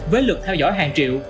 với lực theo dõi hàng triệu